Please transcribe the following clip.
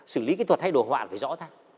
sử lý kỹ thuật hay đồ họa phải rõ ra